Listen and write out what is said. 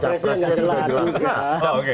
jawab presidennya jelas